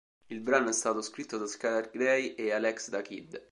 Il brano è stato scritto da Skylar Grey e Alex da Kid.